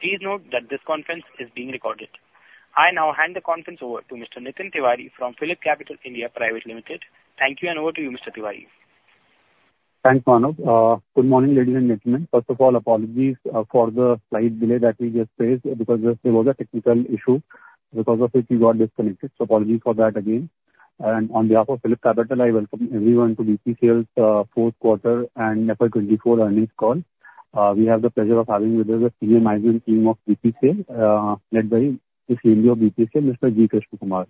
Please note that this conference is being recorded. I now hand the conference over to Mr. Nitin Tiwari from PhillipCapital (India) Pvt. Ltd. Thank you, and over to you, Mr. Tiwari. Thanks, Manav. Good morning, ladies and gentlemen. First of all, apologies for the slight delay that we just faced because there was a technical issue because of which we got disconnected. So apologies for that again. And on behalf of PhillipCapital, I welcome everyone to BPCL's fourth quarter and FY 2024 earnings call. We have the pleasure of having with us the senior management team of BPCL, led by the CMD of BPCL, Mr. G. Krishnakumar.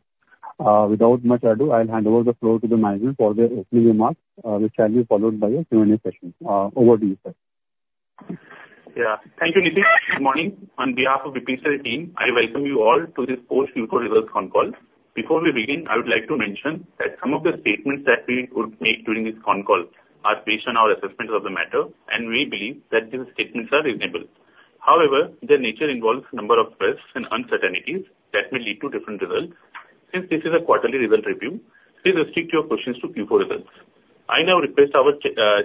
Without much ado, I'll hand over the floor to the management for their opening remarks, which shall be followed by a Q&A session. Over to you, sir. Yeah. Thank you, Nitin. Good morning. On behalf of BPCL team, I welcome you all to this post-neutral reverse concall. Before we begin, I would like to mention that some of the statements that we would make during this concall are based on our assessment of the matter, and we believe that these statements are reasonable. However, their nature involves a number of risks and uncertainties that may lead to different results. Since this is a quarterly result review, please restrict your questions to Q4 results. I now request our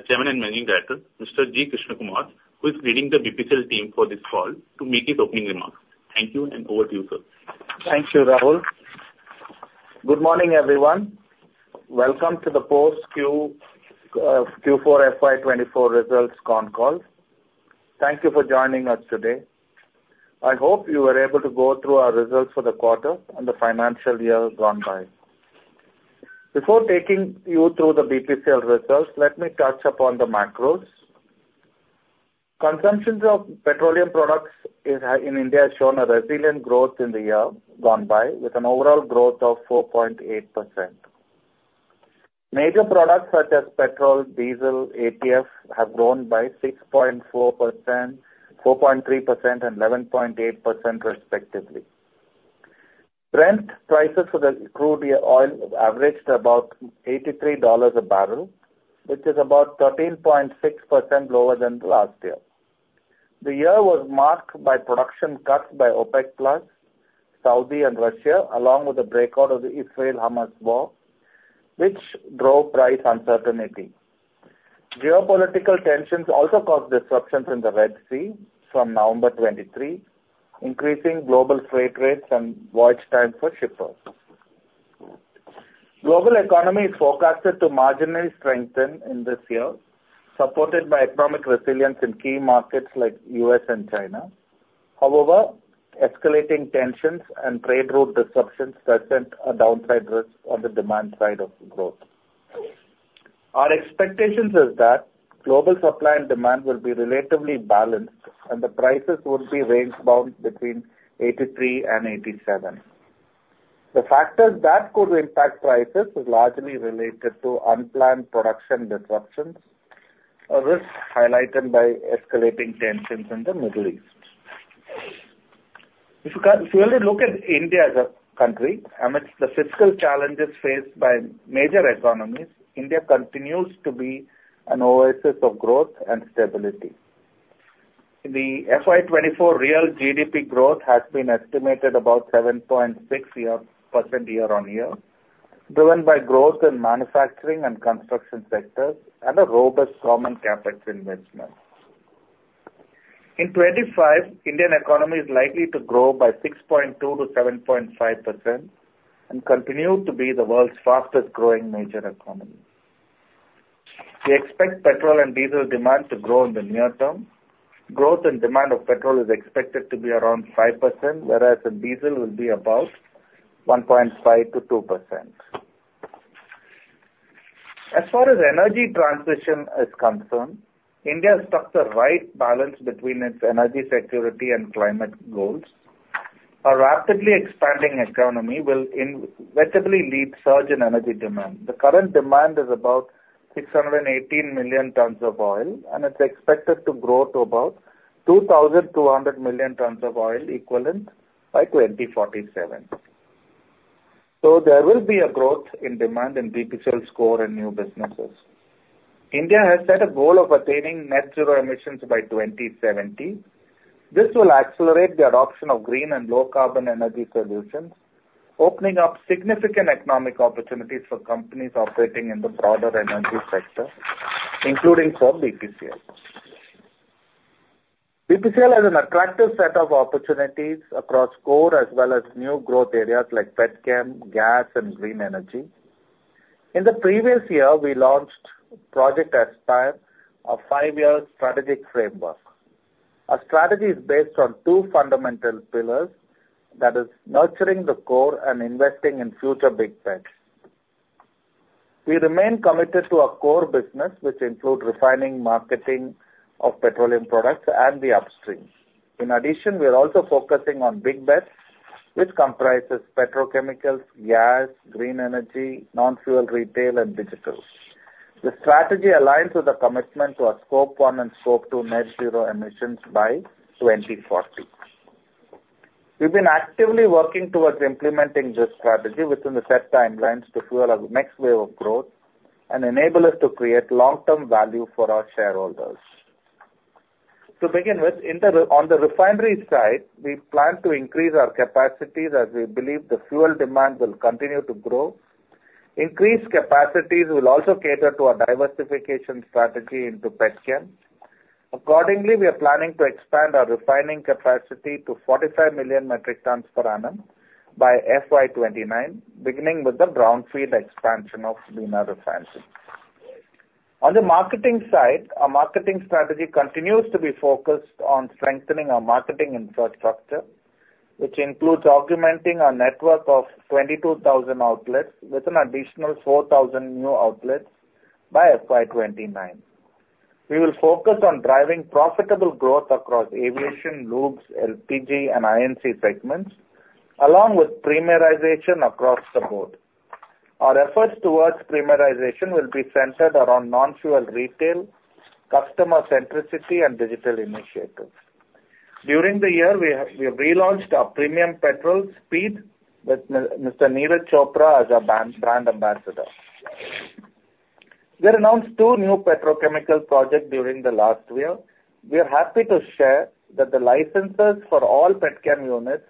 Chairman and Managing Director, Mr. G. Krishnakumar, who is leading the BPCL team for this call, to make his opening remarks. Thank you, and over to you, sir. Thank you, Rahul. Good morning, everyone. Welcome to the post-Q4 FY 2024 results concall. Thank you for joining us today. I hope you were able to go through our results for the quarter and the financial year gone by. Before taking you through the BPCL results, let me touch upon the macros. Consumption of petroleum products in India has shown a resilient growth in the year gone by with an overall growth of 4.8%. Major products such as petrol, diesel, and ATF have grown by 6.4%, 4.3%, and 11.8%, respectively. Brent prices for the crude oil averaged about $83 a bbl, which is about 13.6% lower than last year. The year was marked by production cuts by OPEC+, Saudi, and Russia, along with a breakout of the Israel-Hamas war, which drove price uncertainty. Geopolitical tensions also caused disruptions in the Red Sea from November 2023, increasing global freight rates and voyage times for shippers. Global economies forecasted to marginally strengthen in this year, supported by economic resilience in key markets like the U.S. and China. However, escalating tensions and trade route disruptions present a downside risk on the demand side of growth. Our expectations are that global supply and demand will be relatively balanced, and the prices would be range-bound between $83-$87. The factors that could impact prices are largely related to unplanned production disruptions, a risk highlighted by escalating tensions in the Middle East. If you only look at India as a country amidst the fiscal challenges faced by major economies, India continues to be an oasis of growth and stability. The FY 2024 real GDP growth has been estimated about 7.6% year-on-year, driven by growth in manufacturing and construction sectors and a robust common capital investment. In 2025, Indian economy is likely to grow by 6.2%-7.5% and continue to be the world's fastest-growing major economy. We expect petrol and diesel demand to grow in the near term. Growth in demand of petrol is expected to be around 5%, whereas diesel will be about 1.5%-2%. As far as energy transition is concerned, India structured right balance between its energy security and climate goals. A rapidly expanding economy will inevitably lead to a surge in energy demand. The current demand is about 618 million tons of oil, and it's expected to grow to about 2,200 million tons of oil equivalent by 2047. So there will be a growth in demand in BPCL's core and new businesses. India has set a goal of attaining net-zero emissions by 2070. This will accelerate the adoption of green and low-carbon energy solutions, opening up significant economic opportunities for companies operating in the broader energy sector, including for BPCL. BPCL has an attractive set of opportunities across core as well as new growth areas like petchem, gas, and green energy. In the previous year, we launched Project Aspire, a five-year strategic framework. Our strategy is based on two fundamental pillars: that is, nurturing the core and investing in future big bets. We remain committed to our core business, which includes refining and marketing of petroleum products and the upstream. In addition, we are also focusing on big bets, which comprises petrochemicals, gas, green energy, non-fuel retail, and digital. The strategy aligns with a commitment to a Scope 1 and Scope 2 net-zero emissions by 2040. We've been actively working towards implementing this strategy within the set timelines to fuel our next wave of growth and enable us to create long-term value for our shareholders. To begin with, on the refinery side, we plan to increase our capacities as we believe the fuel demand will continue to grow. Increased capacities will also cater to our diversification strategy into petchem. Accordingly, we are planning to expand our refining capacity to 45 million metric tons per annum by FY 2029, beginning with the brownfield expansion of Bina Refinery. On the marketing side, our marketing strategy continues to be focused on strengthening our marketing infrastructure, which includes augmenting our network of 22,000 outlets with an additional 4,000 new outlets by FY 2029. We will focus on driving profitable growth across Aviation, lube, LPG, and I&C segments, along with premiumization across the Board. Our efforts towards premiumization will be centered around non-fuel retail, customer centricity, and digital initiatives. During the year, we have relaunched our premium petrol Speed with Mr. Neeraj Chopra as our brand ambassador. We announced two new petrochemical projects during the last year. We are happy to share that the licenses for all petchem units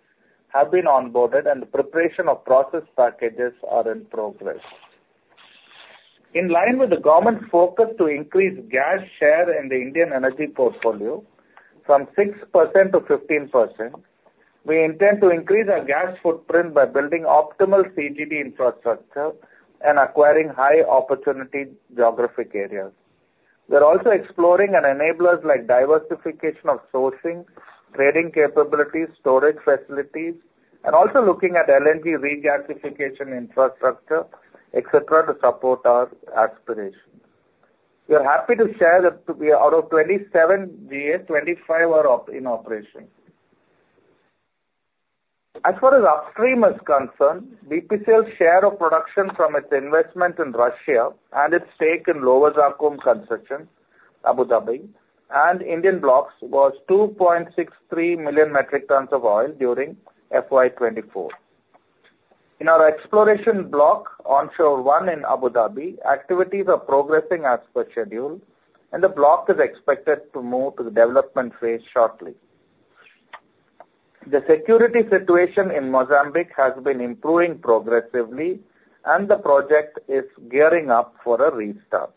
have been onboarded, and the preparation of process packages is in progress. In line with the government's focus to increase gas share in the Indian energy portfolio from 6% to 15%, we intend to increase our gas footprint by building optimal CGD infrastructure and acquiring high-opportunity geographic areas. We're also exploring enablers like diversification of sourcing, trading capabilities, storage facilities, and also looking at LNG regasification infrastructure, etc., to support our aspirations. We are happy to share that out of 27 GAs, 25 are in operation. As far as upstream is concerned, BPCL's share of production from its investment in Russia and its stake in Lower Zakum Concession, Abu Dhabi, and Indian blocks was 2.63 million metric tons of oil during FY 2024. In our exploration block, Onshore 1 in Abu Dhabi, activities are progressing as per schedule, and the block is expected to move to the development phase shortly. The security situation in Mozambique has been improving progressively, and the project is gearing up for a restart.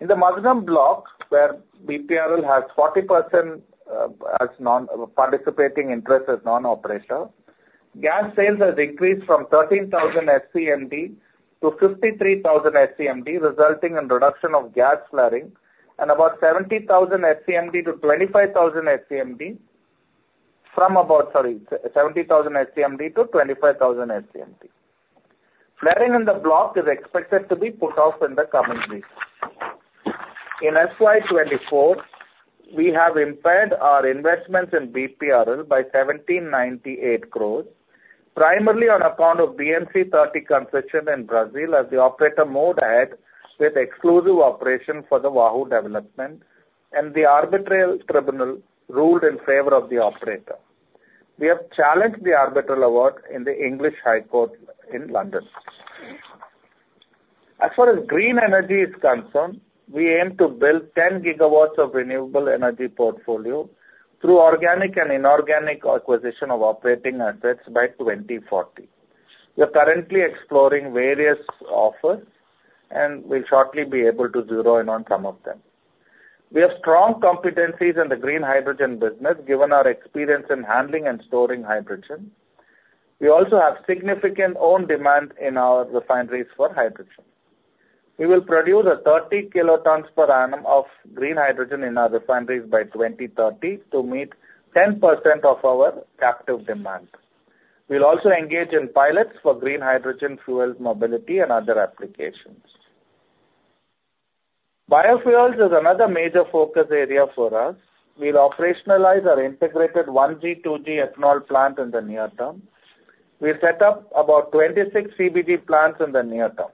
In the Madhanam block, where BPRL has 40% participating interest as non-operator, gas sales have increased from 13,000 SCMD to 53,000 SCMD, resulting in a reduction of gas flaring from 70,000 SCMD to 25,000 SCMD. Flaring in the block is expected to be put off in the coming weeks. In FY 2024, we have impaired our investments in BPRL by 1,798 crore, primarily on account of BMC-30 concession in Brazil as the operator moved ahead with exclusive operation for the Wahoo development and the arbitral tribunal ruled in favor of the operator. We have challenged the arbitral award in the English High Court in London. As far as green energy is concerned, we aim to build 10 GW of renewable energy portfolio through organic and inorganic acquisition of operating assets by 2040. We are currently exploring various offers, and we'll shortly be able to zero in on some of them. We have strong competencies in the green hydrogen business given our experience in handling and storing hydrogen. We also have significant own demand in our refineries for hydrogen. We will produce 30 kt per annum of green hydrogen in our refineries by 2030 to meet 10% of our captive demand. We'll also engage in pilots for green hydrogen fueled mobility and other applications. Biofuels is another major focus area for us. We'll operationalize our integrated 1G, 2G ethanol plant in the near term. We'll set up about 26 CBG plants in the near term.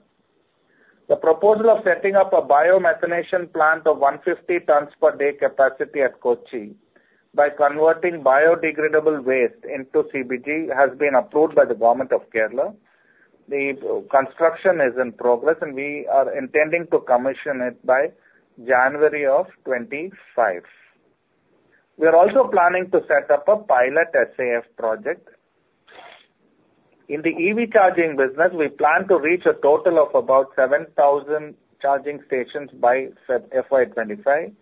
The proposal of setting up a biomethanation plant of 150 tons per day capacity at Kochi by converting biodegradable waste into CBG has been approved by the Government of Kerala. The construction is in progress, and we are intending to commission it by January 2025. We are also planning to set up a pilot SAF project. In the EV charging business, we plan to reach a total of about 7,000 charging stations by FY 2025.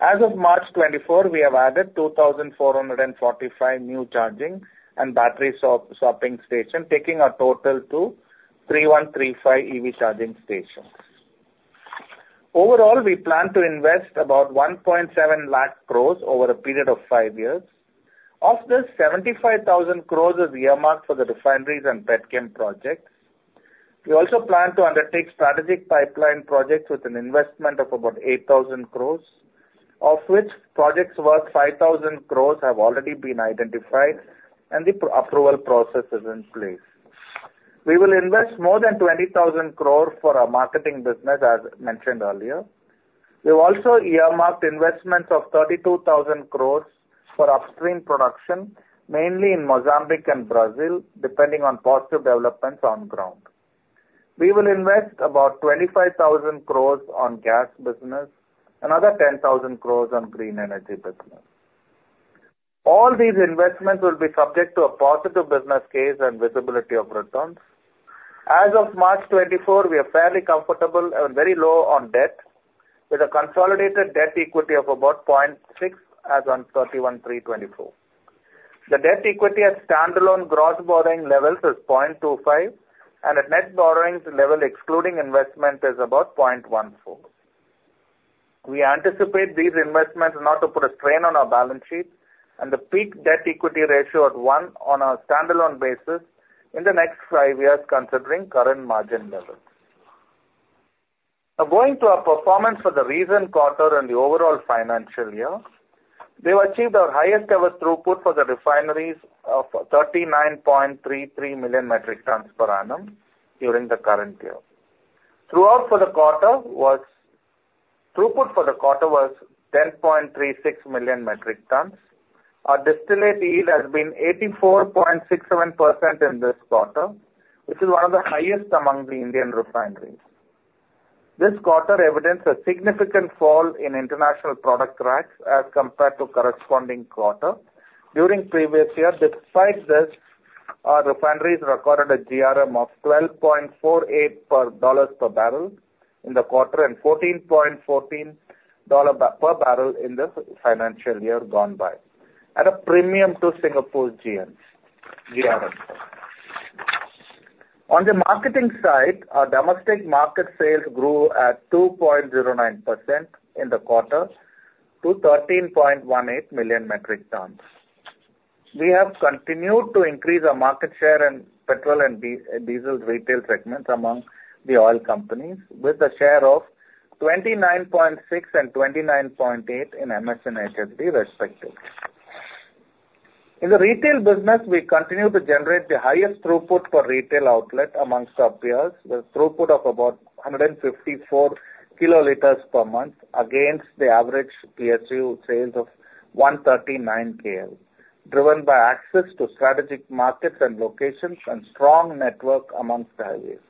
As of March 2024, we have added 2,445 new charging and battery swapping stations, taking a total to 3,135 EV charging stations. Overall, we plan to invest about 1.7 lakh crore over a period of five years. Of this, 75,000 crore is earmarked for the refineries and petchem projects. We also plan to undertake strategic pipeline projects with an investment of about 8,000 crore, of which projects worth 5,000 crore have already been identified, and the approval process is in place. We will invest more than 20,000 crore for our marketing business, as mentioned earlier. We've also earmarked investments of 32,000 crore for upstream production, mainly in Mozambique and Brazil, depending on positive developments on ground. We will invest about 25,000 crore on gas business and another 10,000 crore on green energy business. All these investments will be subject to a positive business case and visibility of returns. As of March 2024, we are fairly comfortable and very low on debt, with a consolidated debt equity of about 0.6% as on 31/03/2024. The debt equity at standalone gross borrowing levels is 0.25%, and at net borrowing level excluding investment is about 0.14%. We anticipate these investments not to put a strain on our balance sheet and the peak debt equity ratio at 1% on a standalone basis in the next five years, considering current margin levels. Now, going to our performance for the recent quarter and the overall financial year, we've achieved our highest-ever throughput for the refineries of 39.33 million metric tons per annum during the current year. Throughput for the quarter was 10.36 million metric tons. Our distillate yield has been 84.67% in this quarter, which is one of the highest among the Indian refineries. This quarter evidenced a significant fall in international product cracks as compared to the corresponding quarter during the previous year. Despite this, our refineries recorded a GRM of $12.48 per bbl in the quarter and $14.14 per bbl in the financial year gone by, at a premium to Singapore's GRM. On the marketing side, our domestic market sales grew at 2.09% in the quarter to 13.18 million metric tons. We have continued to increase our market share in petrol and diesel retail segments among the oil companies, with a share of 29.6% and 29.8% in MS and HSD, respectively. In the retail business, we continue to generate the highest throughput for retail outlets amongst our peers, with a throughput of about 154 kl per month against the average PSU sales of 139 kl, driven by access to strategic markets and locations and strong network amongst highways.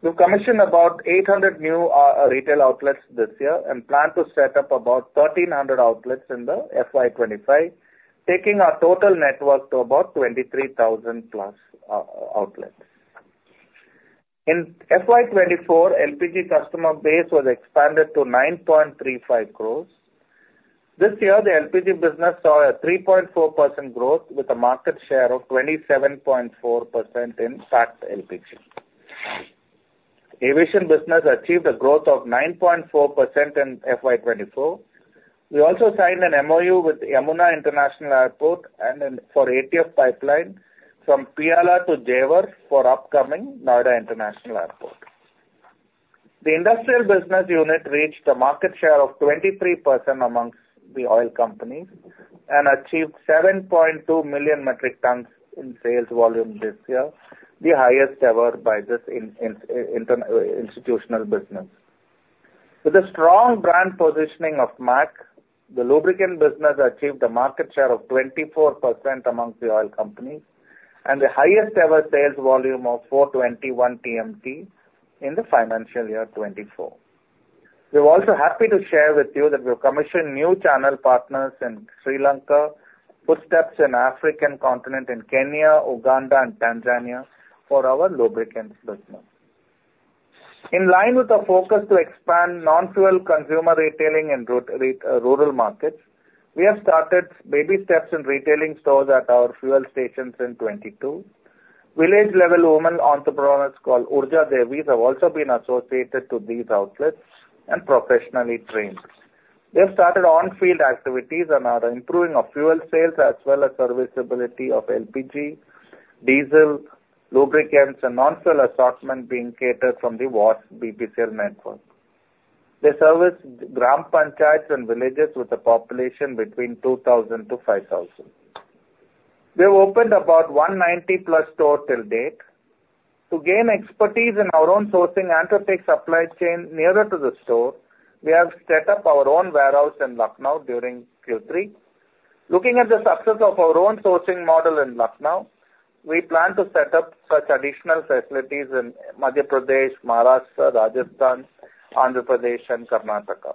We've commissioned about 800 new retail outlets this year and plan to set up about 1,300 outlets in the FY 2025, taking our total network to about 23,000+ outlets. In FY 2024, LPG customer base was expanded to 9.35 crore. This year, the LPG business saw a 3.4% growth with a market share of 27.4% in packed LPG. Aviation business achieved a growth of 9.4% in FY 2024. We also signed an MOU with Yamuna International Airport for ATF pipeline from Piyala to Jewar for the upcoming Noida International Airport. The industrial business unit reached a market share of 23% among the oil companies and achieved 7.2 million metric tons in sales volume this year, the highest-ever by this institutional business. With the strong brand positioning of MAK, the lubricant business achieved a market share of 24% among the oil companies and the highest-ever sales volume of 421 TMT in the financial year 2024. We're also happy to share with you that we've commissioned new channel partners in Sri Lanka, first steps in the African continent in Kenya, Uganda, and Tanzania for our lubricants business. In line with our focus to expand non-fuel consumer retailing in rural markets, we have started baby steps in retailing stores at our fuel stations in 2022. Village-level women entrepreneurs called Urja Devis have also been associated with these outlets and professionally trained. They've started on-field activities and are improving our fuel sales as well as serviceability of LPG, diesel, lubricants, and non-fuel assortment being catered from the vast BPCL network. They service gram panchayats and villages with a population between 2,000-5,000. We've opened about 190+ stores to date. To gain expertise in our own sourcing and to take supply chain nearer to the store, we have set up our own warehouse in Lucknow during Q3. Looking at the success of our own sourcing model in Lucknow, we plan to set up such additional facilities in Madhya Pradesh, Maharashtra, Rajasthan, Andhra Pradesh, and Karnataka.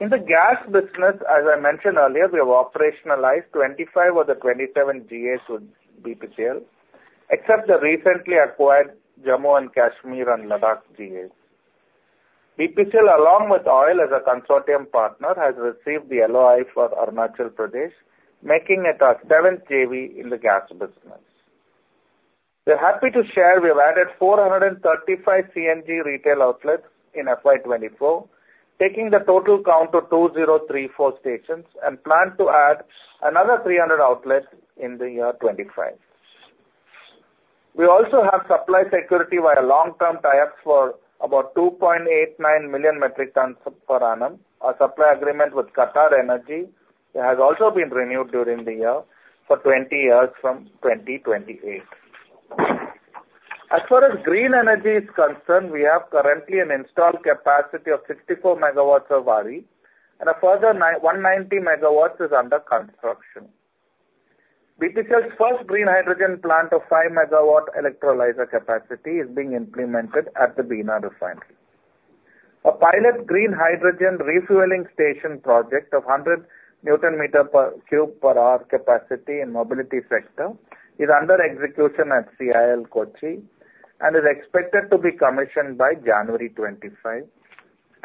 In the gas business, as I mentioned earlier, we have operationalized 25 of the 27 GAs with BPCL, except the recently acquired Jammu and Kashmir and Ladakh GAs. BPCL, along with OIL as a consortium partner, has received the LOI for Arunachal Pradesh, making it our seventh JV in the gas business. We're happy to share we've added 435 CNG retail outlets in FY 2024, taking the total count to 2,034 stations, and plan to add another 300 outlets in the year 2025. We also have supply security via long-term tie-ups for about 2.89 million metric tons per annum. Our supply agreement with QatarEnergy has also been renewed during the year for 20 years from 2028. As far as green energy is concerned, we have currently an installed capacity of 64 MW of RE, and a further 190 MW is under construction. BPCL's first green hydrogen plant of 5-MW electrolyzer capacity is being implemented at the Bina Refinery. A pilot green hydrogen refueling station project of 100 Nm3 per hour capacity in the mobility sector is under execution at CIAL Kochi, and is expected to be commissioned by January 2025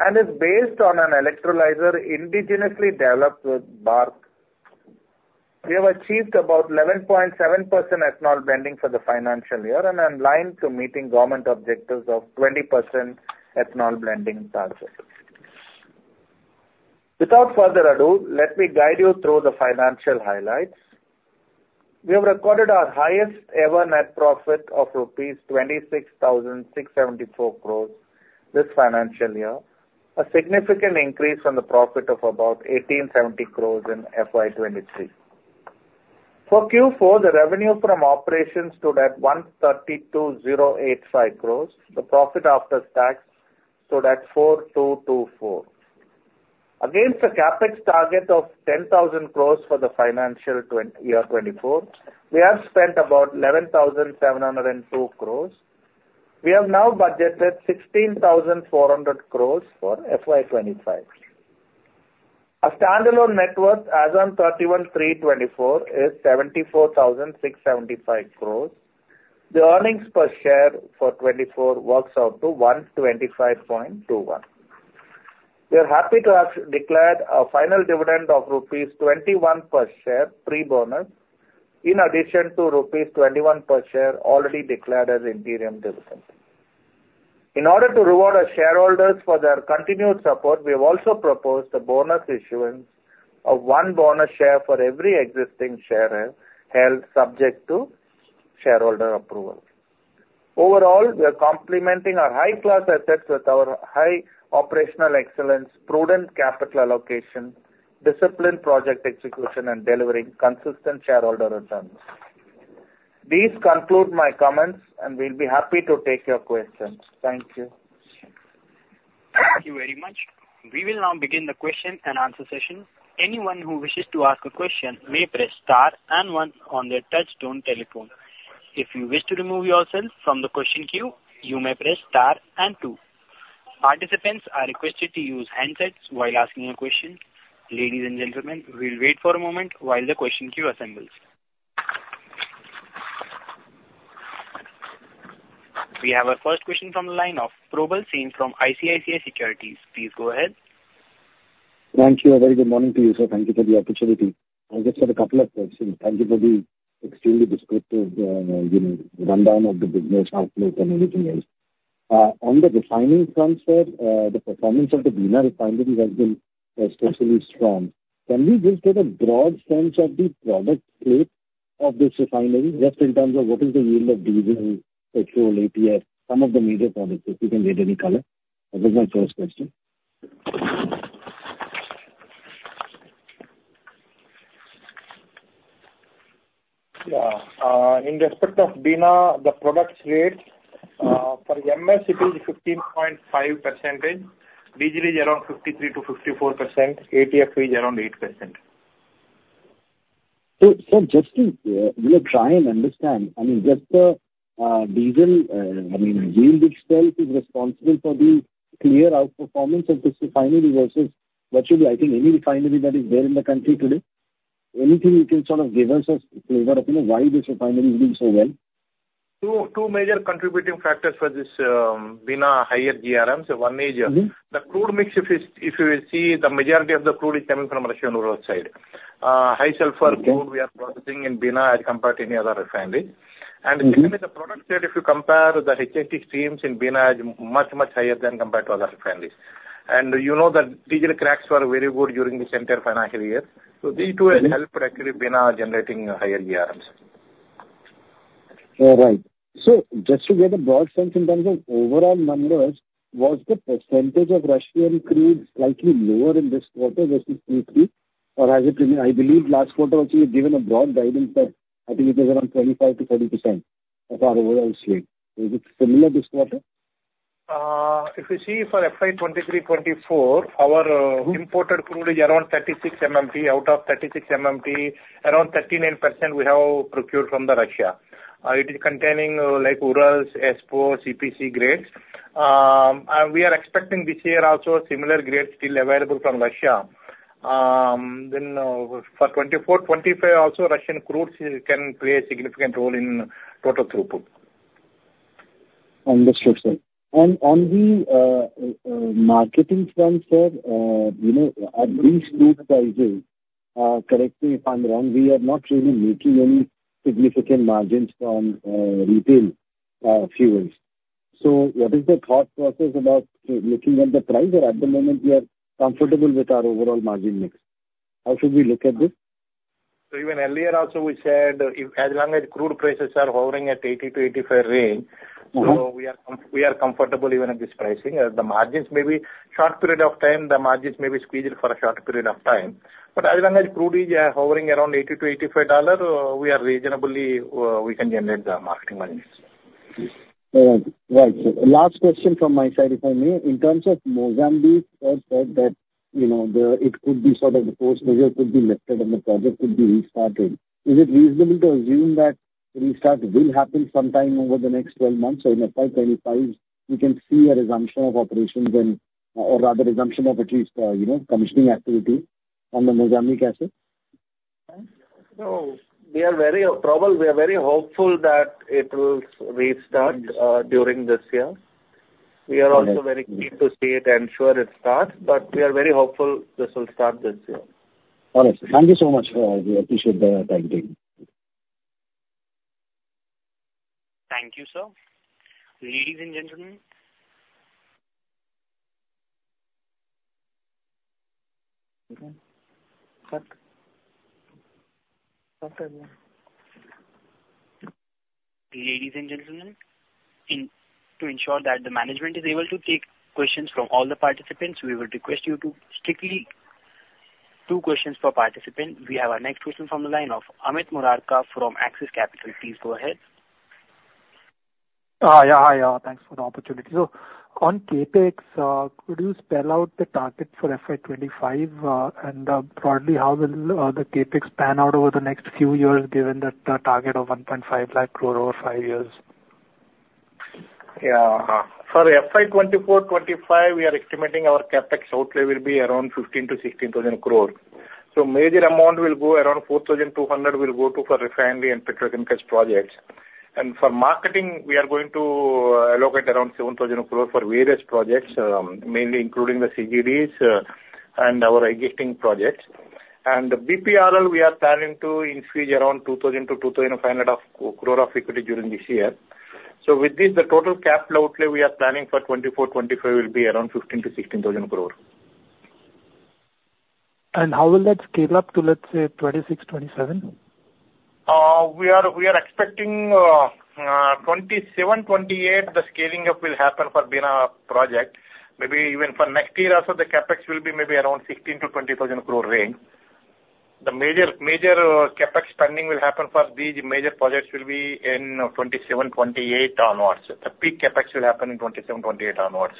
and is based on an electrolyzer indigenously developed with BARC. We have achieved about 11.7% ethanol blending for the financial year and are in line to meet government objectives of a 20% ethanol blending target. Without further ado, let me guide you through the financial highlights. We have recorded our highest-ever net profit of rupees 26,674 crores this financial year, a significant increase from the profit of about 1,870 crores in FY 2023. For Q4, the revenue from operations stood at 132,085 crores. The profit after tax stood at 4,224. Against a CapEx target of 10,000 crores for the financial year 2024, we have spent about 11,702 crores. We have now budgeted 16,400 crores for FY 2025. Our standalone net worth as on 31/03/2024 is 74,675 crores rupees. The earnings per share for 2024 works out to 125.21. We are happy to have declared a final dividend of rupees 21 per share pre-bonus, in addition to rupees 21 per share already declared as interim dividend. In order to reward our shareholders for their continued support, we have also proposed a bonus issuance of one bonus share for every existing share held subject to shareholder approval. Overall, we are complementing our high-class assets with our high operational excellence, prudent capital allocation, disciplined project execution, and delivering consistent shareholder returns. These conclude my comments, and we'll be happy to take your questions. Thank you. Thank you very much. We will now begin the question-and-answer session. Anyone who wishes to ask a question may press star and one on their touch-tone telephone. If you wish to remove yourself from the question queue, you may press star and two. Participants are requested to use handsets while asking a question. Ladies and gentlemen, we'll wait for a moment while the question queue assembles. We have our first question from the line of Probal Sen from ICICI Securities. Please go ahead. Thank you. A very good morning to you, sir. Thank you for the opportunity. I'll just have a couple of questions. Thank you for the extremely descriptive rundown of the business outlook and everything else. On the refining front, sir, the performance of the Bina Refinery has been especially strong. Can we just get a broad sense of the product slate of this refinery, just in terms of what is the yield of diesel, petrol, ATF, some of the major products? If you can get any color. That was my first question. Yeah. In respect of Bina, the product rates, for MS, it is 15.5%. Diesel is around 53%-54%. ATF is around 8%. So, sir, just to we are trying to understand. I mean, just the diesel I mean, yield itself is responsible for the clear outperformance of this refinery versus what should be I think, any refinery that is there in the country today? Anything you can sort of give us a flavor of why this refinery is doing so well? Two major contributing factors for this Bina higher GRMs. One is the crude mix. If you will see, the majority of the crude is coming from Russian Urals side. High-sulfur crude we are processing in Bina as compared to any other refineries. And the second is the product rate. If you compare the HSD streams in Bina, it's much, much higher than compared to other refineries. And you know that diesel cracks were very good during the current financial year. So these two have helped, actually, Bina generating higher GRMs. All right. So just to get a broad sense in terms of overall numbers, was the percentage of Russian crude slightly lower in this quarter versus Q3? Or has it remained? I believe last quarter, actually, you've given a broad guidance that I think it was around 25%-30% of our overall slate. Was it similar this quarter? If you see, for FY 2023/2024, our imported crude is around 36 MMT. Out of 36 MMT, around 39% we have procured from Russia. It is containing Urals, ESPO, CPC grades. We are expecting this year also similar grades still available from Russia. Then for 2024/2025 also, Russian crude can play a significant role in total throughput. Understood, sir. And on the marketing front, sir, at these crude prices correct me if I'm wrong. We are not really making any significant margins from retail fuels. So what is the thought process about looking at the price? Or at the moment, we are comfortable with our overall margin mix. How should we look at this? So even earlier also, we said as long as crude prices are hovering at $80-$85 range, so we are comfortable even at this pricing. The margins may be short period of time. The margins may be squeezed for a short period of time. But as long as crude is hovering around $80-$85, we are reasonably we can generate the marketing margins. Right. Right. Last question from my side, if I may. In terms of Mozambique, sir said that it could be sort of the first measure could be lifted and the project could be restarted. Is it reasonable to assume that restart will happen sometime over the next 12 months? So in FY 2025, we can see a resumption of operations and or rather resumption of at least commissioning activity on the Mozambique asset? So we are very probable, we are very hopeful that it will restart during this year. We are also very keen to see it and ensure it starts. But we are very hopeful this will start this year. All right, sir. Thank you so much, sir. We appreciate the time taken. Thank you, sir. Ladies and gentlemen cut. Cut again. Ladies and gentlemen, to ensure that the management is able to take questions from all the participants, we will request you to strictly two questions per participant. We have our next question from the line of Amit Murarka from Axis Capital. Please go ahead. Yeah. Hi, yeah. Thanks for the opportunity. On CapEx, could you spell out the target for FY 2025 and broadly how will the CapEx pan out over the next few years given that target of 1.5 lakh crore over five years? Yeah. For FY 2024/2025, we are estimating our CapEx outlay will be around 15,000-16,000 crore. Major amount will go around 4,200 will go to for refinery and petrochemicals projects. For marketing, we are going to allocate around 7,000 crore for various projects, mainly including the CGDs and our existing projects. For BPRL, we are planning to infuse around 2,000 crore-2,500 crore of equity during this year. With this, the total CapEx outlay we are planning for 2024/2025 will be around 15,000 crore-16,000 crore. How will that scale up to, let's say, 2026/2027? We are expecting 2027/2028, the scaling up will happen for Bina project. Maybe even for next year also, the CapEx will be maybe around 16,000 crore-20,000 crore range. The major CapEx spending will happen for these major projects will be in 2027/2028 onwards. The peak CapEx will happen in 2027/2028 onwards.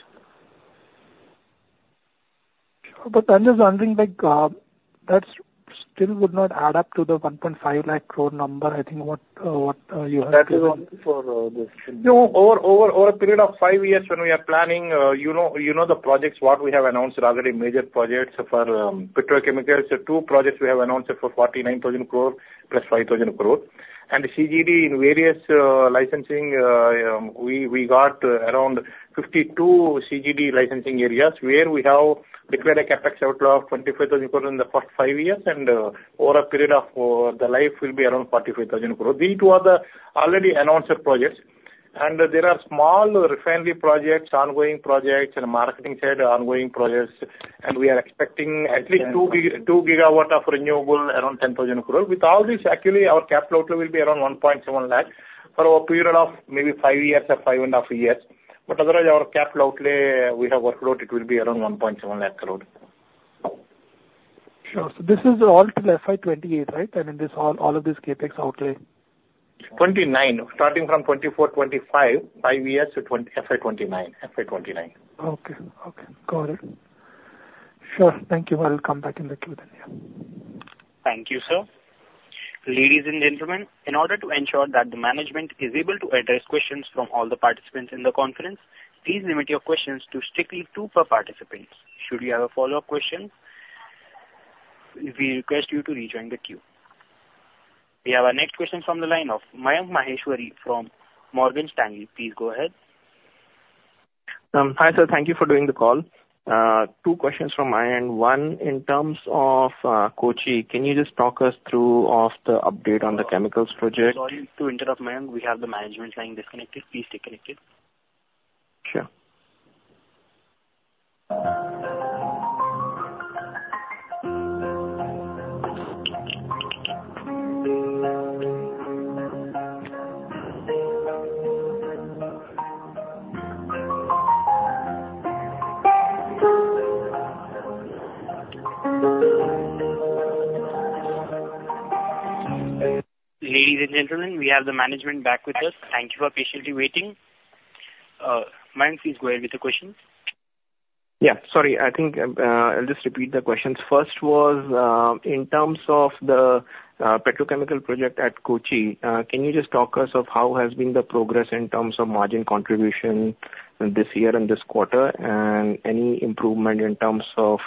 But I'm just wondering, that still would not add up to the 1.5 crore number, I think, what you have to That is only for this No. Over a period of five years when we are planning, you know the projects, what we have announced are already major projects for petrochemicals. Two projects we have announced for 49,000 crore plus 5,000 crore. And the CGD in various licensing, we got around 52 CGD licensing areas where we have declared a CapEx outlay of 25,000 crore in the first five years. And over a period of the life, it will be around 45,000 crore. These two are the already announced projects. There are small refinery projects, ongoing projects, and marketing-side ongoing projects. We are expecting at least 2 GW of renewable around 10,000 crore. With all this, actually, our CapEx outlay will be around 1.7 lakh for a period of maybe five years or 5.5 years. Otherwise, our CapEx outlay we have worked out, it will be around 1.7 lakh crore. Sure. So this is all till FY 2028, right? I mean, all of this CapEx outlay? 2029. Starting from 2024/2025, five years to FY 2029. FY 2029. Okay. Okay. Got it. Sure. Thank you. I'll come back in the queue then, yeah. Thank you, sir. Ladies and gentlemen, in order to ensure that the management is able to address questions from all the participants in the conference, please limit your questions to strictly two per participant. Should you have a follow-up question, we request you to rejoin the queue. We have our next question from the line of Mayank Maheshwari from Morgan Stanley. Please go ahead. Hi, sir. Thank you for doing the call. Two questions from my end. One, in terms of Kochi, can you just talk us through the update on the chemicals project? Sorry to interrupt, Mayank. We have the management line disconnected. Please stay connected. Sure. Ladies and gentlemen, we have the management back with us. Thank you for patiently waiting. Mayank, please go ahead with the questions. Yeah. Sorry. I think I'll just repeat the questions. First was, in terms of the petrochemical project at Kochi, can you just talk us of how has been the progress in terms of margin contribution this year and this quarter and any improvement in terms of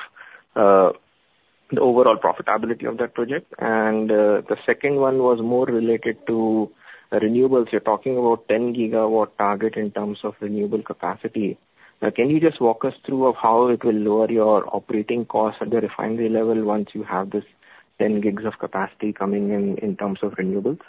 the overall profitability of that project? The second one was more related to renewables. You're talking about 10 GW target in terms of renewable capacity. Can you just walk us through how it will lower your operating costs at the refinery level once you have this 10 GW of capacity coming in in terms of renewables?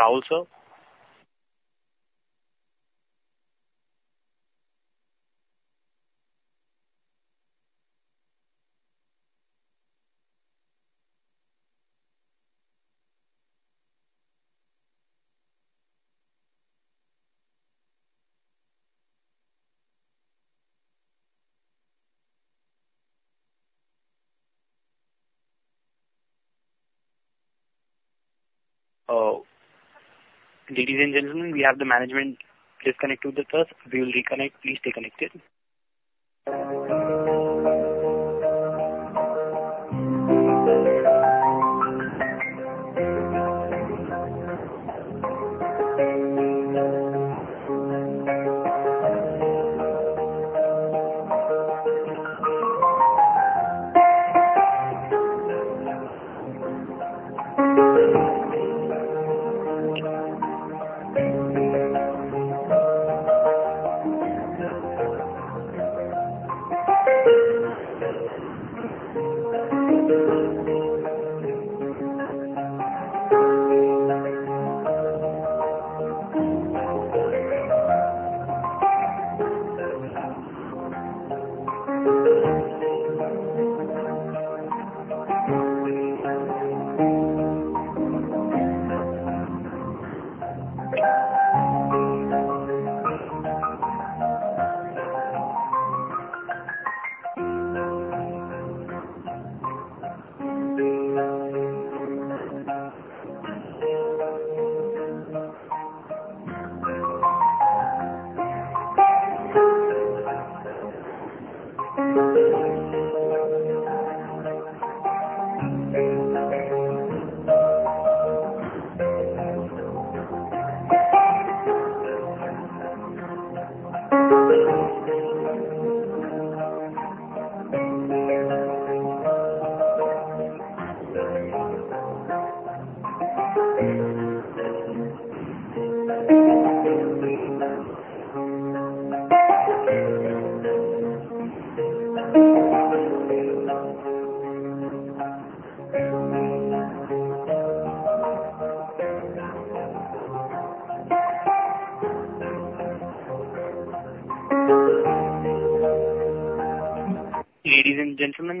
How, sir? Ladies and gentlemen, we have the management disconnected with us. We'll reconnect. Please stay connected.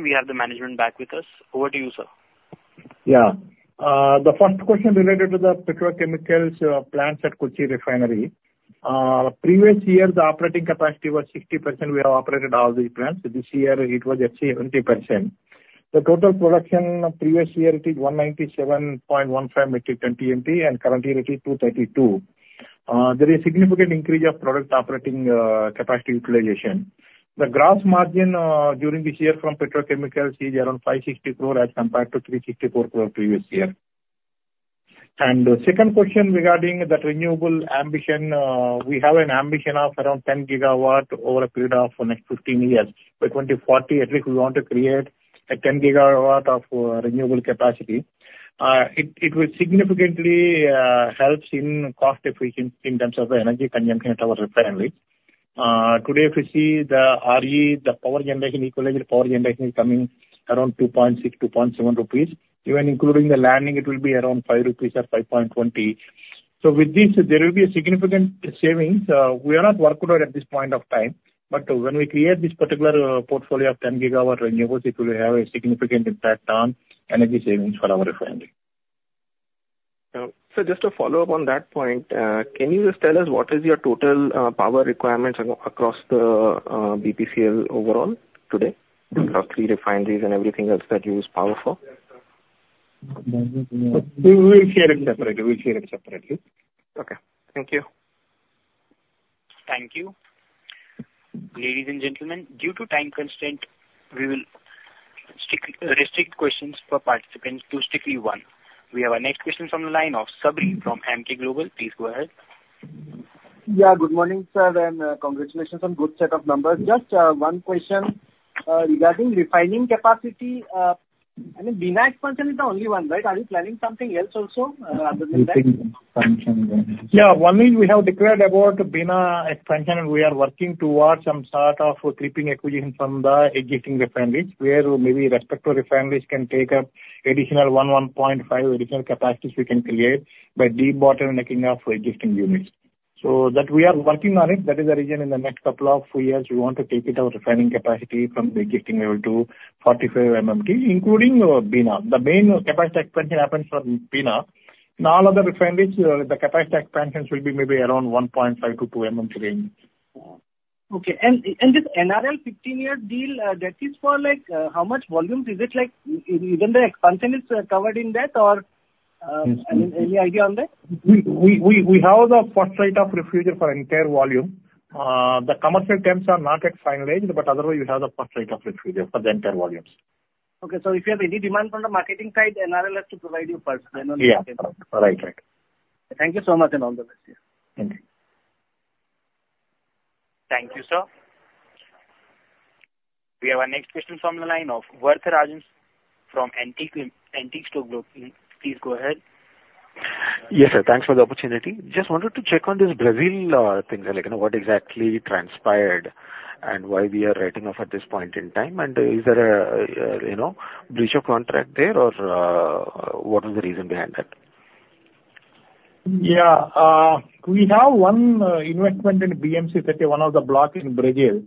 Ladies and gentlemen, we have the management back with us. Over to you, sir. Yeah. The first question related to the petrochemicals plants at Kochi Refinery. Previous year, the operating capacity was 60%. We have operated all these plants. This year, it was at 70%. The total production previous year, it is 197.15 MT/20 MT, and current year, it is 232. There is significant increase of product operating capacity utilization. The gross margin during this year from petrochemicals is around 560 crore as compared to 364 crore previous year. Second question regarding that renewable ambition, we have an ambition of around 10 GW over a period of next 15 years. By 2040, at least we want to create a 10 GW of renewable capacity. It will significantly help in cost efficiency in terms of the energy consumption at our refinery. Today, if you see the RE, the power generation, eco-energy power generation is coming around 2.6-2.7 rupees. Even including the landing, it will be around 5 rupees or 5.20. So with this, there will be a significant savings. We are not working out at this point of time. But when we create this particular portfolio of 10 GW renewables, it will have a significant impact on energy savings for our refinery. Sir, just to follow up on that point, can you just tell us what is your total power requirements across the BPCL overall today across three refineries and everything else that you use power for? We will share it separately. We will share it separately. Okay. Thank you. Thank you. Ladies and gentlemen, due to time constraint, we will restrict questions per participant to strictly one. We have our next question from the line of Sabri from Emkay Global. Please go ahead. Yeah. Good morning, sir, and congratulations on a good set of numbers. Just one question regarding refining capacity. I mean, Bina expansion is the only one, right? Are you planning something else also other than that? Yeah. One thing we have declared about Bina expansion, and we are working towards some sort of capacity addition from the existing refineries where maybe respective refineries can take up additional 11.5 additional capacities we can create by deep bottlenecking of existing units. So we are working on it. That is the reason in the next couple of years, we want to take our refining capacity from the existing level to 45 MMT, including Bina. The main capacity expansion happens from Bina. In all other refineries, the capacity expansions will be maybe around 1.5 MMT-2 MMT range. Okay. And this NRL 15-year deal, that is for how much volumes? Is it even the expansion is covered in that, or? I mean, any idea on that? We have the first right of refusal for entire volume. The commercial terms are not at final stage, but otherwise, we have the first right of refusal for the entire volumes. Okay. So if you have any demand from the marketing side, NRL has to provide you first. Then only you can. Yeah. Right, right. Thank you so much, and all the best, yeah. Thank you. Thank you, sir. We have our next question from the line of Varatharajan from Antique Stock Broking. Please go ahead. Yes, sir. Thanks for the opportunity. Just wanted to check on this Brazil thing, what exactly transpired and why we are writing off at this point in time. And is there a breach of contract there, or what was the reason behind that? Yeah. We have one investment in BMC-30, one of the blocks in Brazil.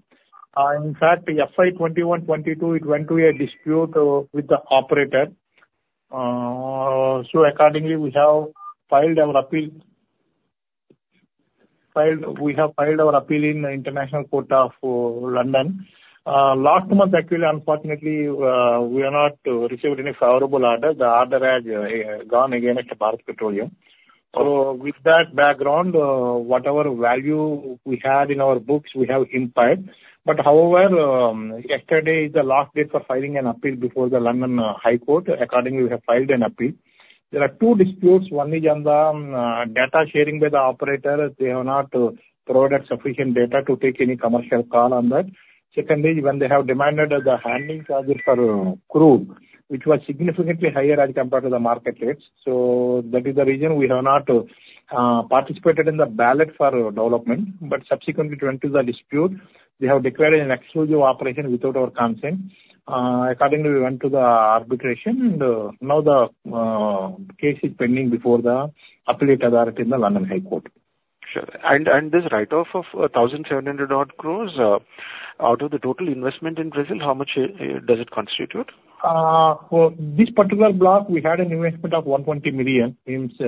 In fact, FY 2021/2022, it went to a dispute with the operator. So accordingly, we have filed our appeal. We have filed our appeal in the International Court of London. Last month, actually, unfortunately, we have not received any favorable order. The order has gone against Bharat Petroleum. So with that background, whatever value we had in our books, we have impaired. But however, yesterday is the last date for filing an appeal before the London High Court. Accordingly, we have filed an appeal. There are two disputes. One is on the data sharing by the operator. They have not provided sufficient data to take any commercial call on that. Second is when they have demanded the handling charges for crude, which was significantly higher as compared to the market rates. So that is the reason we have not participated in the ballot for development. But subsequently, it went to the dispute. They have declared an exclusive operation without our consent. Accordingly, we went to the arbitration, and now the case is pending before the appellate authority in the London High Court. Sure. And this write-off of 1,700 crores, out of the total investment in Brazil, how much does it constitute? For this particular block, we had an investment of 120 million,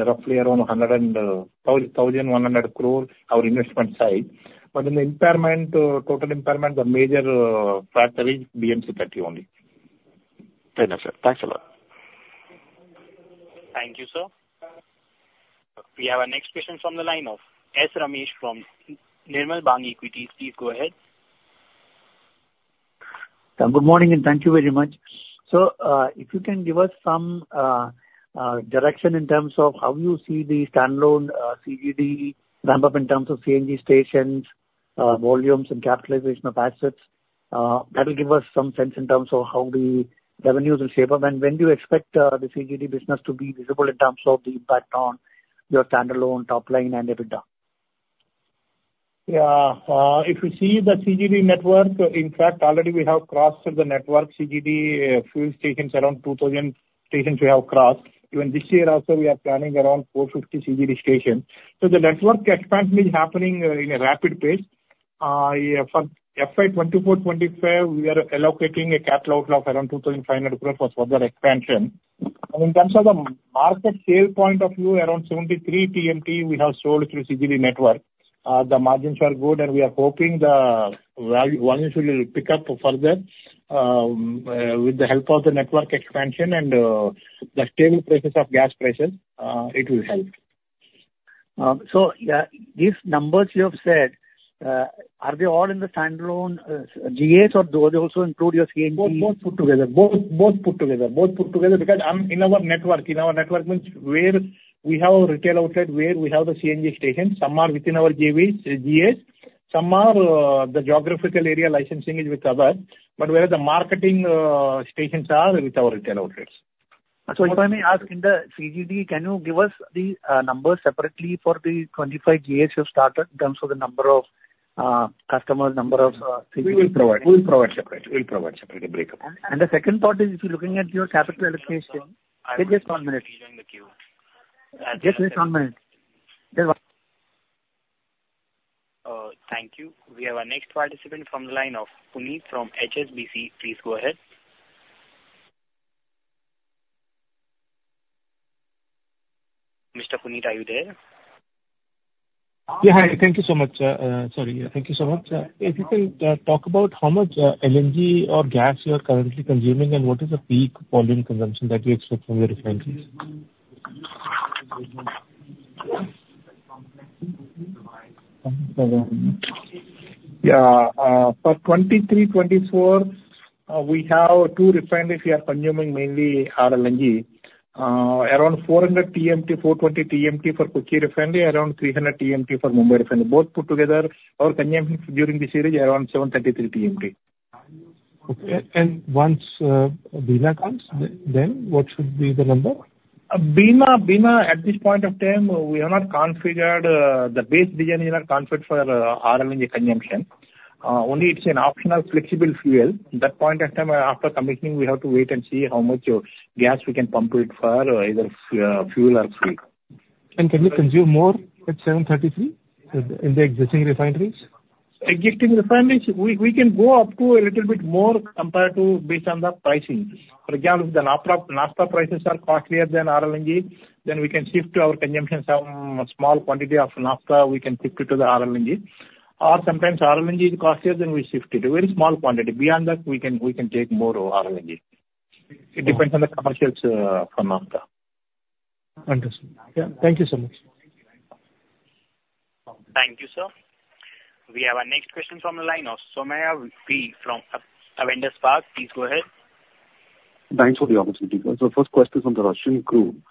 roughly around 1,100 crore, our investment side. But in the total impairment, the major factor is BMC-30 only. Fair enough, sir. Thanks a lot. Thank you, sir. We have our next question from the line of S. Ramesh from Nirmal Bang Equities. Please go ahead. Good morning, and thank you very much. So if you can give us some direction in terms of how you see the standalone CGD ramp-up in terms of CNG stations, volumes, and capitalization of assets, that will give us some sense in terms of how the revenues will shape up. When do you expect the CGD business to be visible in terms of the impact on your standalone top line and EBITDA? Yeah. If you see the CGD network, in fact, already we have crossed the network CGD fuel stations. Around 2,000 stations we have crossed. Even this year also, we are planning around 450 CGD stations. The network expansion is happening in a rapid pace. For FY 2024/2025, we are allocating a capital outlay around 2,500 crore for further expansion. In terms of the market sale point of view, around 73 TMT we have sold through CGD network. The margins are good, and we are hoping the volumes will pick up further with the help of the network expansion and the stable prices of gas prices. It will help. So these numbers you have said, are they all in the standalone GAs, or do they also include your CNG? Both put together. Both put together. Both put together because I'm in our network. In our network means where we have our retail outlet, where we have the CNG stations. Some are within our GAs. Some are the geographical area licensing is with others. But whereas the marketing stations are with our retail outlets. So if I may ask, in the CGD, can you give us the numbers separately for the 25 GAs you've started in terms of the number of customers, number of CGD? We will provide. We will provide separately. We will provide separately breakup. And the second thought is, if you're looking at your capital allocation wait just one minute. Just wait one minute. Just one. Thank you. We have our next participant from the line of Puneet from HSBC. Please go ahead. Mr. Puneet, are you there? Yeah. Hi. Thank you so much. Sorry. Thank you so much. If you can talk about how much LNG or gas you are currently consuming and what is the peak volume consumption that you expect from your refineries? Yeah. For 2023/2024, we have two refineries we are consuming mainly RLNG: around 400 TMT, 420 TMT for Kochi Refinery, around 300 TMT for Mumbai Refinery. Both put together, our consumption during this year is around 733 TMT. Okay. And once Bina comes, then what should be the number? Bina, at this point of time, we have not configured the base design is not configured for RLNG consumption. Only it's an optional flexible fuel. At that point of time, after commissioning, we have to wait and see how much gas we can pump it for, either fuel or fuel. And can we consume more at 733 in the existing refineries? Existing refineries, we can go up to a little bit more based on the pricing. For example, if the naphtha prices are costlier than RLNG, then we can shift to our consumption some small quantity of naphtha. We can shift it to the RLNG. Or sometimes RLNG is costlier, then we shift it to a very small quantity. Beyond that, we can take more RLNG. It depends on the commercials for naphtha. Understood. Yeah. Thank you so much. Thank you, sir. We have our next question from the line of Somaiah V. from Avendus Spark. Please go ahead. Thanks for the opportunity, sir. So first question is on the Russian crude.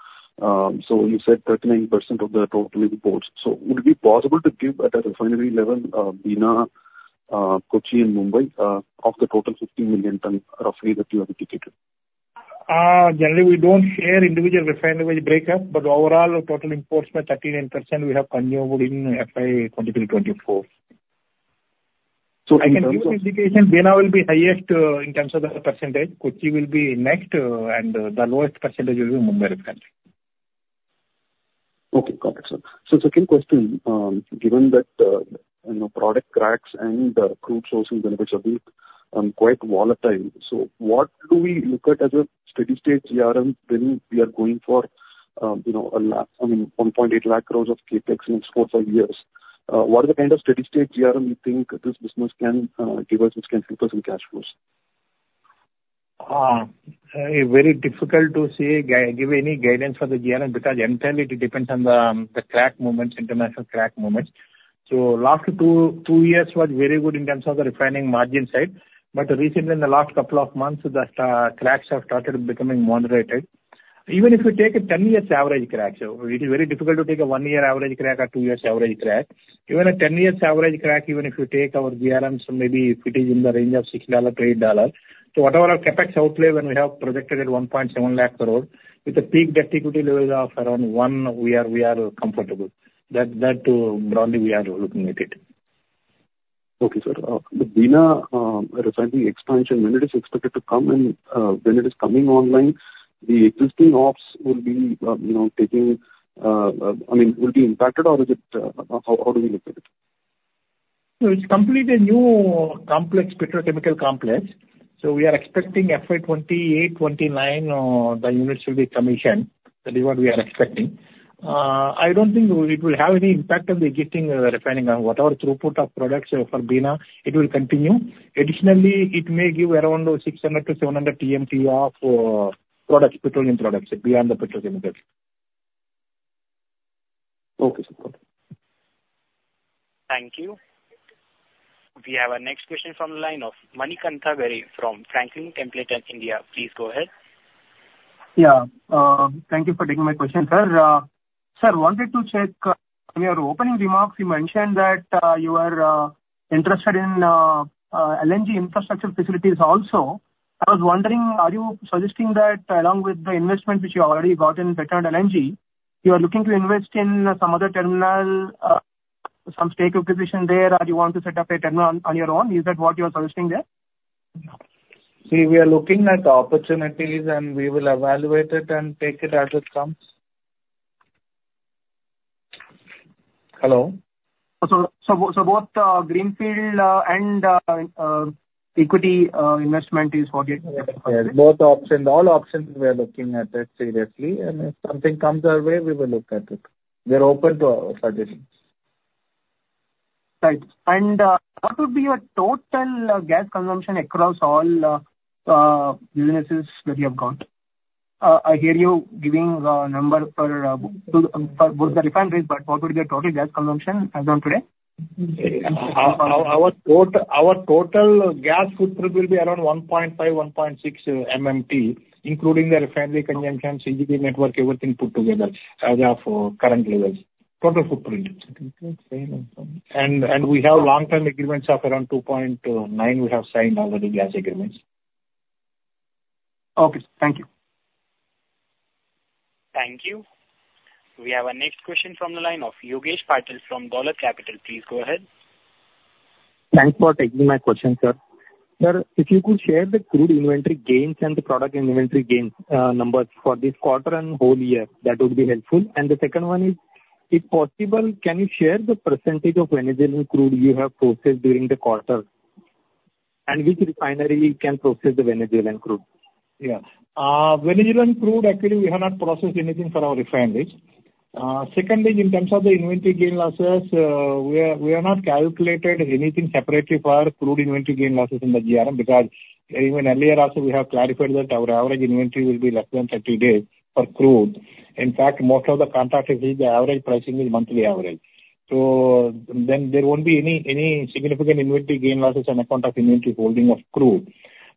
So you said 39% of the total imports. So would it be possible to give at a refinery level Bina, Kochi, and Mumbai off the total 15 million tons roughly that you have indicated? Generally, we don't share individual refinery breakup, but overall total imports by 13% we have consumed in FY 2023/24. So in terms of. I can give an indication. Bina will be highest in terms of the percentage. Kochi will be next, and the lowest percentage will be Mumbai Refinery. Okay. Got it, sir. So second question, given that product cracks and the crude sourcing benefits are quite volatile, so what do we look at as a steady-state GRM when we are going for, I mean, 1.8 lakh crore of CapEx in the next four, five years? What is the kind of steady-state GRM you think this business can give us, which can focus on cash flows? Very difficult to give any guidance for the GRM because entirely it depends on the international crack movements. So last two years was very good in terms of the refining margin side. But recently, in the last couple of months, the cracks have started becoming moderated. Even if you take a 10-year average crack, so it is very difficult to take a one-year average crack or two-year average crack. Even a 10-year average crack, even if you take our GRMs, maybe if it is in the range of $6-$8. So whatever our CapEx outlay when we have projected at 1.7 lakhcrore, with the peak debt equity levels of around one, we are comfortable. That's broadly we are looking at it. Okay, sir. Bina Refinery expansion, when it is expected to come and when it is coming online, the existing ops will be taking, I mean, will be impacted, or how do we look at it? So it's completely a new complex, petrochemical complex. So we are expecting FY 2028/2029, the units will be commissioned. That is what we are expecting. I don't think it will have any impact on the existing refining. Whatever throughput of products for Bina, it will continue. Additionally, it may give around 600 TMT-700 TMT of petroleum products beyond the petrochemicals. Okay, sir. Thank you. We have our next question from the line of Manikantha Garre from Franklin Templeton India. Please go ahead. Yeah. Thank you for taking my question, sir. Sir, wanted to check in your opening remarks. You mentioned that you are interested in LNG infrastructure facilities also. I was wondering, are you suggesting that along with the investment which you already got in Petronet LNG, you are looking to invest in some other terminal, some stake acquisition there, or do you want to set up a terminal on your own? Is that what you are suggesting there? See, we are looking at opportunities, and we will evaluate it and take it as it comes. Hello? So both greenfield and equity investment is what you're talking about? Yes. Both options. All options, we are looking at it seriously. And if something comes our way, we will look at it. We are open to suggestions. Right. And what would be your total gas consumption across all units that you have got? I hear you giving a number for both the refineries, but what would be your total gas consumption as of today? Our total gas footprint will be around 1.5, 1.6 MMT, including the refinery consumption, CGD network, everything put together as of current levels. Total footprint. And we have long-term agreements of around 2.9. We have signed already gas agreements. Okay. Thank you. Thank you. We have our next question from the line of Yogesh Patil from Dolat Capital. Please go ahead. Thanks for taking my question, sir. Sir, if you could share the crude inventory gains and the product inventory gains numbers for this quarter and whole year, that would be helpful. And the second one is, if possible, can you share the percentage of Venezuelan crude you have processed during the quarter, and which refinery can process the Venezuelan crude? Yeah. Venezuelan crude, actually, we have not processed anything for our refineries. Secondly, in terms of the inventory gain losses, we have not calculated anything separately for crude inventory gain losses in the GRM because even earlier also, we have clarified that our average inventory will be less than 30 days for crude. In fact, most of the contract is the average pricing is monthly average. So then there won't be any significant inventory gain losses on account of inventory holding of crude.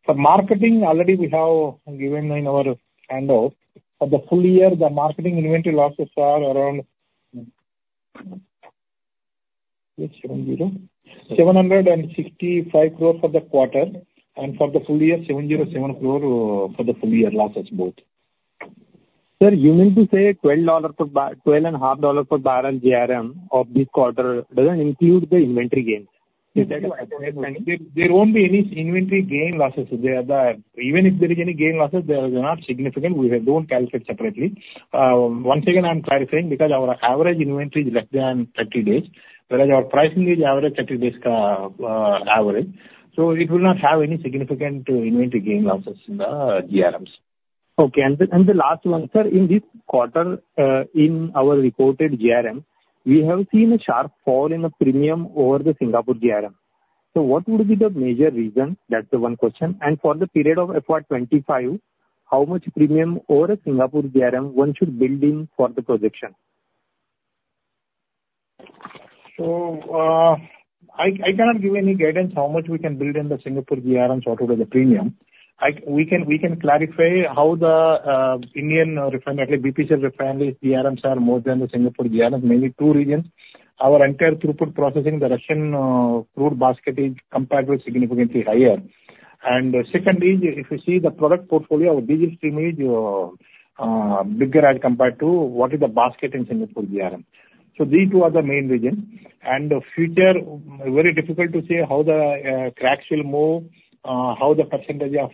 For marketing, already we have given in our handoff. For the full year, the marketing inventory losses are around 765 crore for the quarter, and for the full year, 707 crore for the full year losses, both. Sir, you mean to say $12.5 per bbl GRM of this quarter doesn't include the inventory gains? Is that what you mean? There won't be any inventory gain losses. Even if there is any gain losses, they are not significant. We don't calculate separately. Once again, I'm clarifying because our average inventory is less than 30 days, whereas our pricing is average 30 days average. So it will not have any significant inventory gain losses in the GRMs. Okay. And the last one, sir, in this quarter, in our reported GRM, we have seen a sharp fall in the premium over the Singapore GRM. So what would be the major reason? That's the one question. And for the period of FY 2025, how much premium over Singapore GRM one should build in for the projection? So I cannot give any guidance how much we can build in the Singapore GRMs or what is the premium. We can clarify how the Indian refinery, actually, BPCL refineries' GRMs are more than the Singapore GRMs, mainly two regions. Our entire throughput processing, the Russian crude basket is compared with significantly higher. And secondly, if you see the product portfolio, our diesel stream is bigger as compared to what is the basket in Singapore GRM. So these two are the main reasons. And future, very difficult to say how the cracks will move, how the percentage of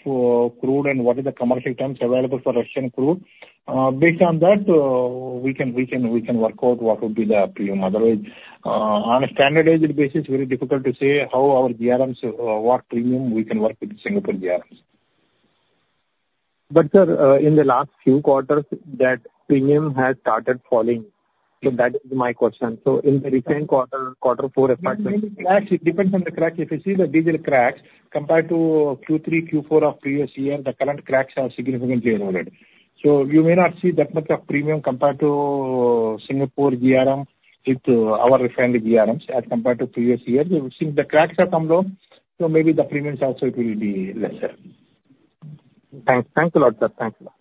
crude, and what is the commercial terms available for Russian crude. Based on that, we can work out what would be the premium. Otherwise, on a standardized basis, very difficult to say how our GRMs, what premium we can work with the Singapore GRMs. But sir, in the last few quarters, that premium has started falling. So that is my question. So in the recent quarter, quarter four, FY 2025. It depends on the cracks. If you see the diesel cracks compared to Q3, Q4 of previous year, the current cracks are significantly lower. So you may not see that much of premium compared to Singapore GRM with our refinery GRMs as compared to previous years. Since the cracks have come low, so maybe the premiums also will be lesser. Thanks. Thanks a lot, sir. Thanks a lot.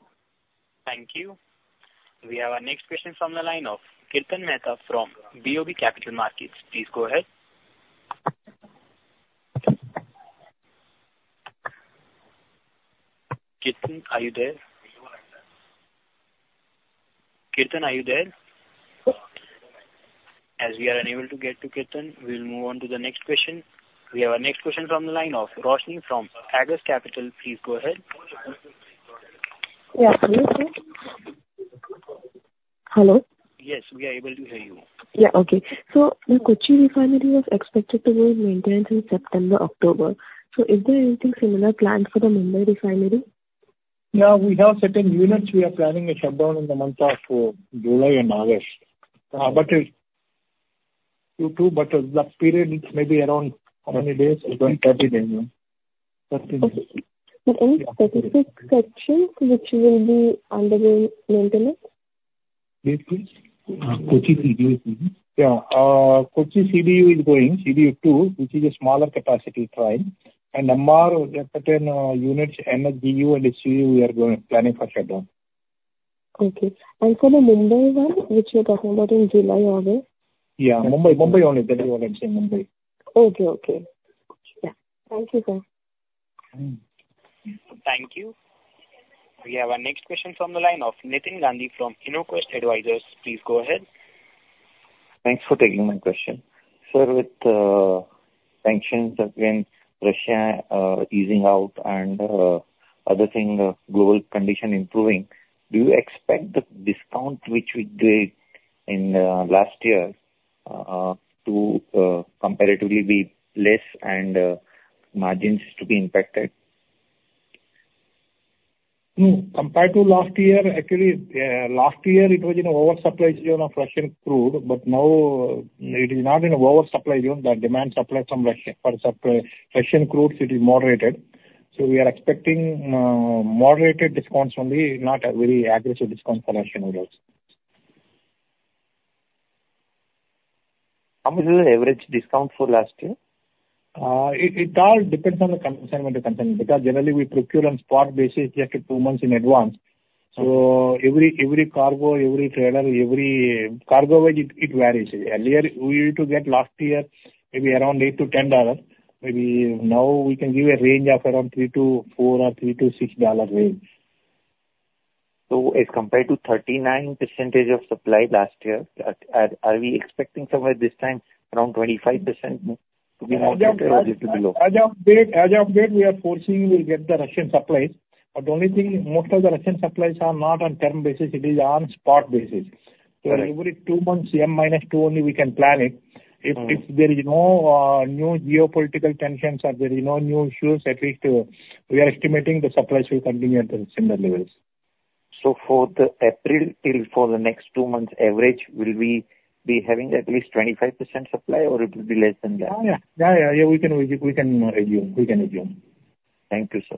Thank you. We have our next question from the line of Kirtan Mehta from BOB Capital Markets. Please go ahead. Kirtan, are you there? Kirtan, are you there? As we are unable to get to Kirtan, we will move on to the next question. We have our next question from the line of Roshni from Agus Capital. Please go ahead. Yeah. Can you hear? Hello? Yes. We are able to hear you. Yeah. Okay. So the Kochi Refinery was expected to go in maintenance in September, October. So is there anything similar planned for the Mumbai Refinery? Yeah. We have certain units. We are planning a shutdown in the month of July and August. But it's Q2, but the period, it's maybe around how many days? Around 30 days. 30 days. Okay. But any specific sections which will be undergoing maintenance? Please, please. Kochi CDU, please. Yeah. Kochi CDU is going, CDU2, which is a smaller capacity train. And MR, certain units, HGU and HCU, we are planning for shutdown. Okay. And for the Mumbai one, which you're talking about in July, August? Yeah. Mumbai. Mumbai only. That is all I'm saying. Mumbai. Okay. Okay. Yeah. Thank you, sir. Thank you. We have our next question from the line of Nitin Gandhi from Inoquest Advisors. Please go ahead. Thanks for taking my question. Sir, with sanctions against Russia easing out and other things, global condition improving, do you expect the discount which we gave last year to comparatively be less and margins to be impacted? No. Compared to last year, actually, last year, it was in an oversupply zone of Russian crude, but now it is not in an oversupply zone. The demand supply for Russian crudes, it is moderated. So we are expecting moderated discounts only, not a very aggressive discount for Russian oils. How much is the average discount for last year? It all depends on the consignment to consignment because generally, we procure on spot basis, just two months in advance. So every cargo, every trailer, every cargo wage, it varies. Earlier, we used to get last year maybe around $8-$10. Maybe now we can give a range of around $3-$4 or $3-$6 range. So as compared to 39% of supply last year, are we expecting somewhere this time around 25% to be more than below? As of date, we are foreseeing we will get the Russian supplies. But the only thing, most of the Russian supplies are not on term basis. It is on spot basis. So every two months, M-2 only, we can plan it. If there is no new geopolitical tensions or there is no new issues, at least we are estimating the supplies will continue at the similar levels. So for April till for the next two months, average, will we be having at least 25% supply, or it will be less than that? Yeah. Yeah. Yeah. Yeah. We can assume. We can assume. Thank you, sir.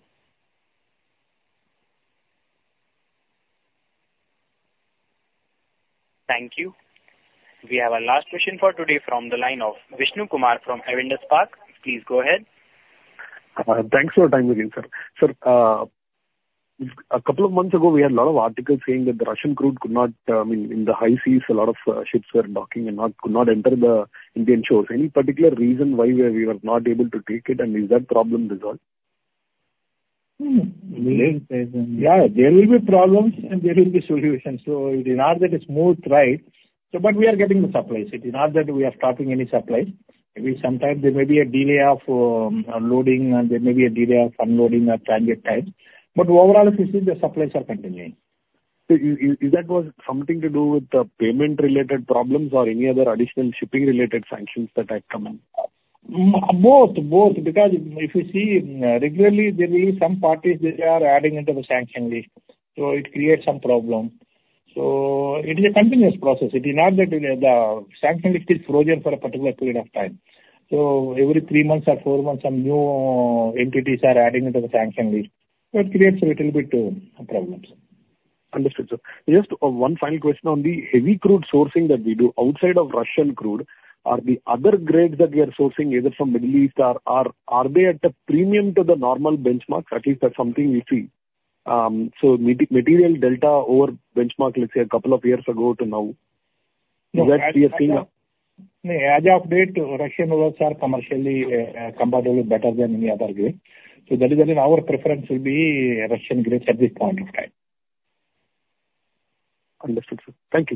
Thank you. We have our last question for today from the line of Vishnu Kumar from Avendus Spark. Please go ahead. Thanks for the time again, sir. Sir, a couple of months ago, we had a lot of articles saying that the Russian crude could not—I mean, in the high seas, a lot of ships were docking and could not enter the Indian shores. Any particular reason why we were not able to take it, and is that problem resolved? Yeah. There will be problems, and there will be solutions. So it is not that it's moved right. But we are getting the supplies. It is not that we are stopping any supplies. Maybe sometimes there may be a delay of loading, and there may be a delay of unloading at transit times. But overall, if you see, the supplies are continuing. So is that something to do with the payment-related problems or any other additional shipping-related sanctions that have come in? Both. Both. Because if you see, regularly, there will be some parties that are adding into the sanction list. So it creates some problem. So it is a continuous process. It is not that the sanction list is frozen for a particular period of time. So every three months or four months, some new entities are adding into the sanction list. So it creates a little bit of problems. Understood, sir. Just one final question only. Heavy crude sourcing that we do outside of Russian crude, are the other grades that we are sourcing, either from the Middle East, are they at a premium to the normal benchmarks, at least that's something we see? So material delta over benchmark, let's say, a couple of years ago to now, is that we are seeing? No. As of date, Russian oils are commercially comparatively better than any other grade. So that is why our preference will be Russian grades at this point of time. Understood, sir. Thank you.